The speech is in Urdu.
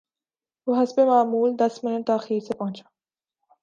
وہ حسب معمول دس منٹ تا خیر سے پہنچا